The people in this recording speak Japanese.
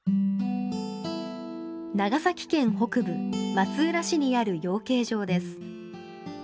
長崎県北部、松浦市にある養鶏場です。